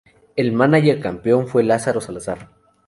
El mánager campeón fue Lázaro Salazar.